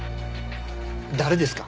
誰ですか？